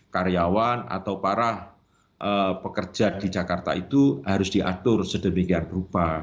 karyawan atau para pekerja di jakarta itu harus diatur sedemikian rupa